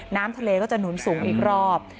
น้ำทะเลก็จะหนุนสูงอีกรอบ